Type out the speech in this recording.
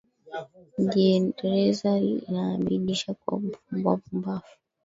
Gereza inaadibisha wa pumbafu